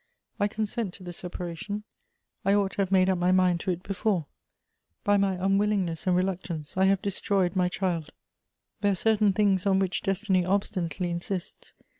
L consen t to the separattoa; I ought ^o ba«:a_jnade up my mind'TXJ it befere ^— by" niy unwillingness and reluctance I have destroy«d my child. There are certain things on which destiny obstinately insists.